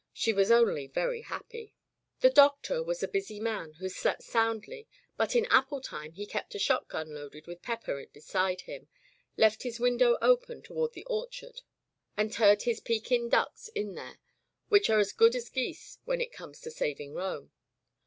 She was only very happy. The Doctor was a busy man, who slept soundly, but in apple time he kept a shot gun loaded with pepper beside him, left his window open toward the orchard, and Digitized by LjOOQ IC Interventions turned his Pekin ducks in there, which are as good as geese when it comes to saving Rome.